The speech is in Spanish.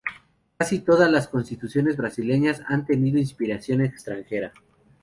Casi todas las constituciones brasileñas han tenido inspiración extranjera.